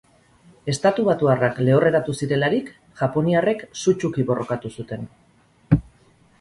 Estatubatuarrak lehorreratu zirelarik, japoniarrek sutsuki borrokatu zuten.